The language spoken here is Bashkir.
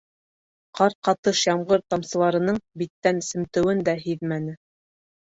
Ҡар ҡатыш ямғыр тамсыларының биттән семтеүен дә һиҙмәне.